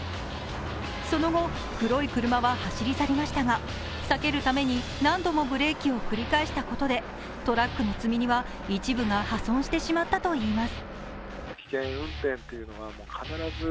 その後、黒い車は走り去りましたが避けるために何度もブレーキを繰り返したことでトラックの積み荷は一部が破損してしまったといいます。